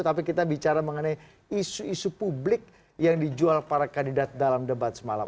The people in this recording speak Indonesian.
tapi kita bicara mengenai isu isu publik yang dijual para kandidat dalam debat semalam